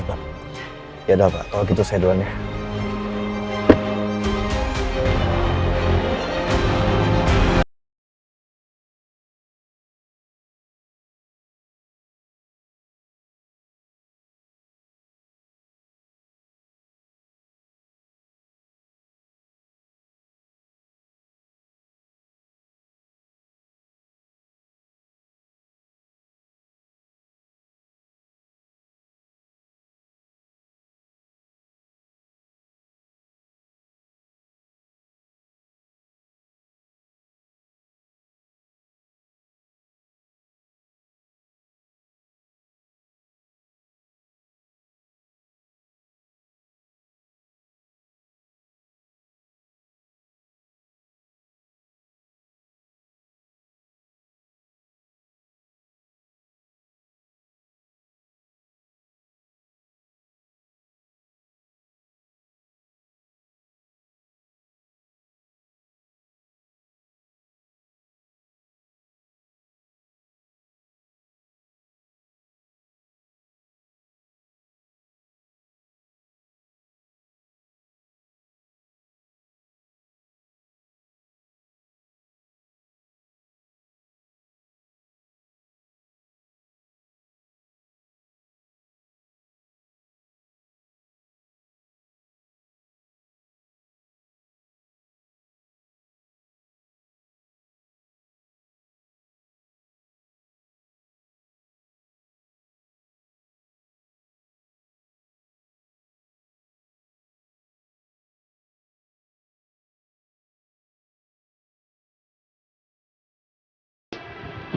gue kasih itu dulu